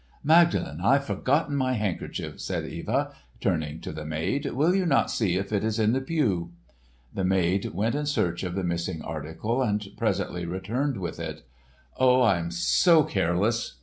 "Magdalen, I have forgotten my kerchief," said Eva, turning to the maid. "Will you not see if it is in the pew?" The maid went in search of the missing article and presently returned with it. "Oh, I am so careless!"